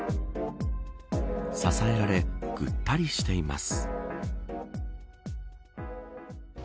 支えられぐったりしています。